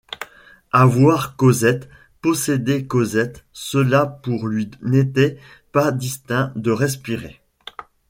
Avoir Cosette, posséder Cosette, cela pour lui n’était pas distinct de respirer.